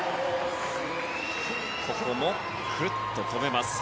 ここもくるっと止めます。